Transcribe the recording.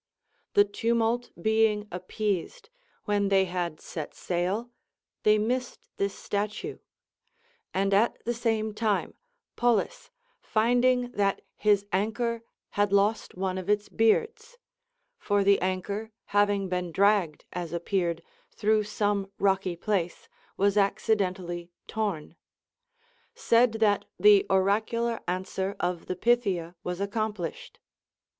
The tumult being appeased, when they had set sail, they missed this statue ; and at the same time Pollis, finding that his anchor had lost one of its beards (for the anchor, having been dragged, as appeared, through some rocky CONCERNING THE VIRTUES OF ΛΥΟΜΕΝ. 351 place, was accidentally torn), said that the oracul<M' answer of the Pythia was accomplished.